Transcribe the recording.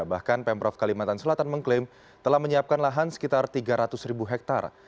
bahkan pemprov kalimantan selatan mengklaim telah menyiapkan lahan sekitar tiga ratus ribu hektare